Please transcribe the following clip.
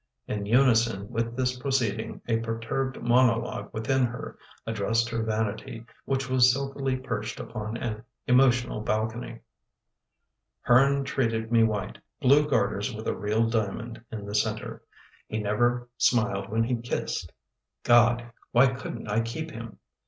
In unison with this proceeding a perturbed monologue within her addressed her vanity which was silkily perched upon an emotional balcony. " Hearn treated me white — blue garters with a real diamond in the center — he never smiled when he kissed [«7] Be — Gad. why anfcbrt I keep him?